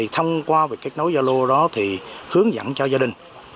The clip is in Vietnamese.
thông qua việc kết nối gia lô đó thì hướng dẫn cho gia đình